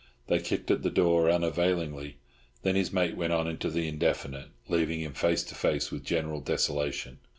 They kicked at the door unavailingly; then his mate went on into the indefinite, leaving him face to face with general desolation.